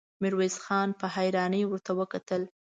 ميرويس خان په حيرانۍ ورته وکتل.